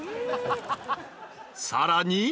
［さらに］